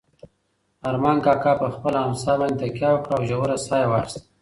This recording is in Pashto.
ارمان کاکا په خپله امسا باندې تکیه وکړه او ژوره ساه یې واخیسته.